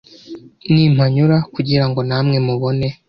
nimpanyura kugira ngo namwe mubone